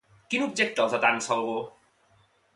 Quin objecte els atansa algú?